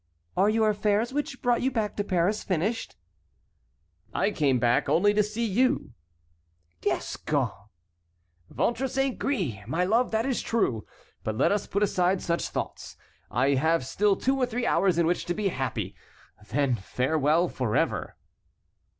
"Are your affairs which brought you back to Paris finished?" "I came back only to see you." "Gascon!" "Ventre saint gris! My love, that is true; but let us put aside such thoughts. I have still two or three hours in which to be happy; then farewell forever."